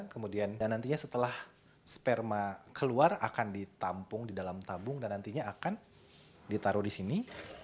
kemudian dan nantinya setelah sperma keluar akan ditampung di dalam tabung dan nantinya akan ditaruh di sini